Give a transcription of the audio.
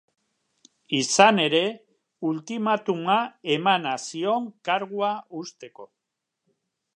Izan ere, ultimatuma emana zion kargua uzteko.